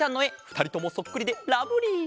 ふたりともそっくりでラブリー！